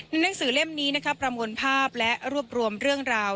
หนังสือเล่มนี้นะครับประมวลภาพและรวบรวมเรื่องราว